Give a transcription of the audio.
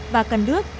và cần đước